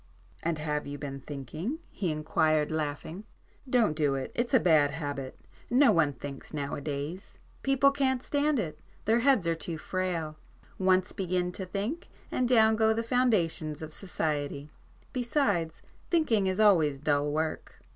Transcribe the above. "And have you been thinking?" he inquired laughing—"Don't do it. It's a bad habit. No one thinks now a days,—people can't stand it—their heads are too frail. Once begin to think and down go the foundations of society,—besides thinking is always dull work."